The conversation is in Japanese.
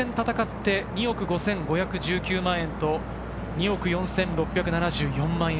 ５２戦たたかって２億５５１９万円と２億４６７４万円。